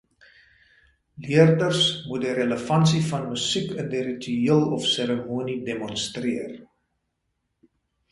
Leerders moet die relevansie van musiek in die ritueel of seremonie demonstreer.